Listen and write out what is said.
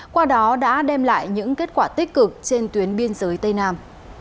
qua đó đã đem lại những kết quả tích cực trên tuyến biên giới tây nam